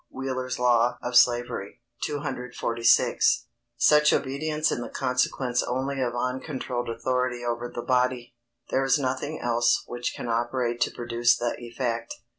Wheeler's Law of Slavery, 246.] ——Such obedience is the consequence only of uncontrolled authority over the body. There is nothing else which can operate to produce the effect.